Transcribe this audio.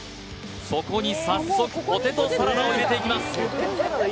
そこに早速ポテトサラダを入れていきます